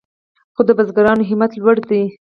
خو د بزګرانو همت لوړ دی.